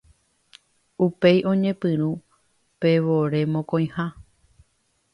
Upéi oñepyrũ pe vore mokõiha.